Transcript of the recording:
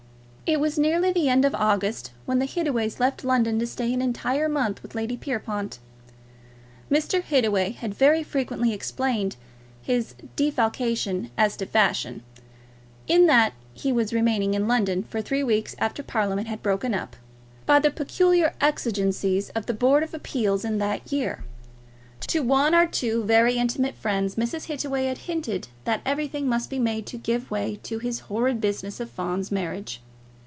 It was nearly the end of August when the Hittaways left London to stay an entire month with Lady Pierrepoint. Mr. Hittaway had very frequently explained his defalcation as to fashion, in that he was remaining in London for three weeks after Parliament had broken up, by the peculiar exigencies of the Board of Appeals in that year. To one or two very intimate friends Mrs. Hittaway had hinted that everything must be made to give way to this horrid business of Fawn's marriage.